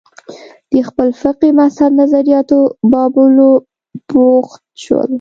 د خپل فقهي مذهب نظریاتو بابولو بوخت شول